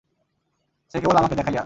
সে কেবল আমাকে দেখাইয়া।